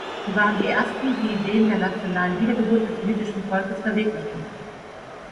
Sie waren die ersten, die die Ideen der nationalen Wiedergeburt des jüdischen Volkes verwirklichten.